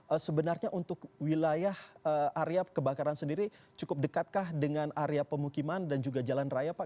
pak sebenarnya untuk wilayah area kebakaran sendiri cukup dekatkah dengan area pemukiman dan juga jalan raya pak